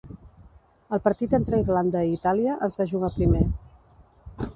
El partit entre Irlanda i Itàlia es va jugar primer.